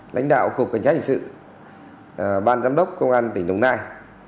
lãnh đạo cục cảnh sát hình sự ban giám đốc công an tỉnh đồng nai